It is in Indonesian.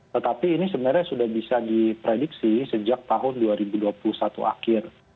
tetapi ini sebenarnya sudah bisa diprediksi sejak tahun dua ribu dua puluh satu akhir